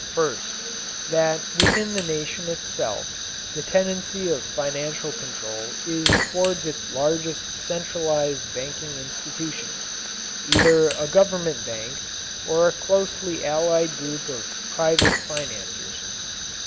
First: that within the nation itself the tendency of financial control is toward its largest centralized banking institutions either a government bank or a closely allied group of private financiers.